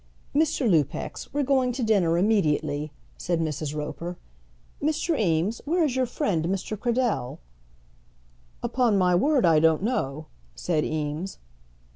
"Mr. Lupex, we're going to dinner immediately," said Mrs. Roper. "Mr. Eames, where is your friend, Mr. Cradell?" "Upon my word I don't know," said Eames.